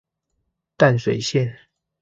淡水線